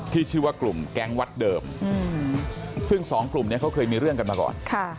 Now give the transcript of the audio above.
ที่ชื่อว่ากลุ่มแก๊งวัดเดิมซึ่งสองกลุ่มนี้เขาเคยมีเรื่องกันมาก่อน